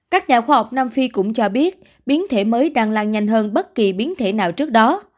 các nhà khoa học nam phi cũng cho biết biến thể mới đang lan nhanh hơn bất kỳ biến thể nào trước đó